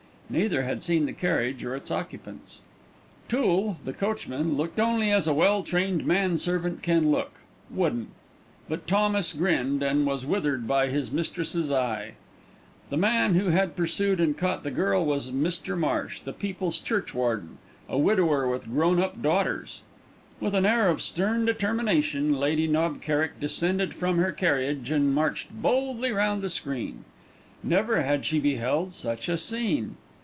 Neither had seen the carriage or its occupants. Tool, the coachman, looked only as a well trained man servant can look, wooden; but Thomas grinned, and was withered by his mistress's eye. The man who had pursued and caught the girl was Mr. Marsh, the people's churchwarden, a widower with grown up daughters. With an air of stern determination, Lady Knob Kerrick descended from her carriage and marched boldly round the screen. Never had she beheld such a scene.